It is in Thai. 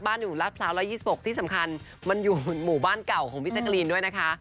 อยู่ราชพร้าว๑๒๖ที่สำคัญมันอยู่หมู่บ้านเก่าของพี่แจ๊กรีนด้วยนะคะ